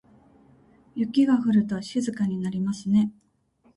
雪が降ると静かになりますね。